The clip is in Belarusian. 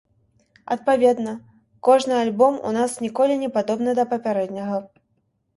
Адпаведна, кожны альбом у нас ніколі не падобны да папярэдняга.